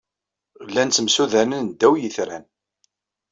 Llan ttemsudanen ddaw yitran.